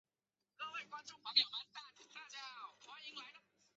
里见氏家臣。